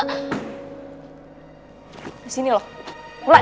disini loh mulai